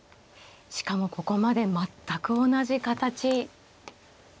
しかもここまで全く同じ形。